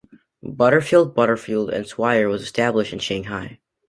Butterfield, Butterfield and Swire was established in Shanghai.